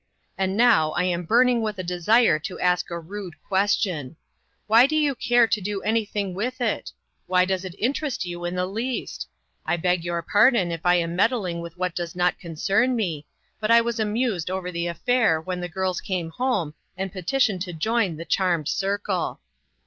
And now I am burning with a desire to ask a rude question: Why do you care to do anj'thing with it? Why does it in terest you in the least? I beg your pardon if I am meddling with what does not con cern me, but I was amused over the affair when the girls came home and petitioned to join the charmed circle.